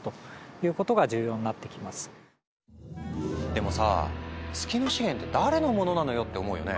でもさ「月の資源って誰のものなのよ」って思うよね。